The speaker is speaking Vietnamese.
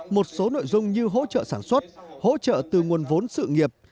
một số nội dung như hỗ trợ sản xuất hỗ trợ từ nguồn vốn sự nghiệp